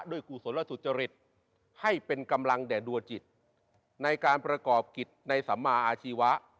กุศลและสุจริตให้เป็นกำลังแด่ดัวจิตในการประกอบกิจในสัมมาอาชีวะ